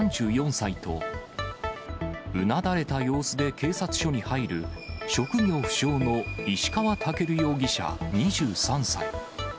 ３４歳と、うなだれた様子で警察署に入る、職業不詳の石川健容疑者２３歳。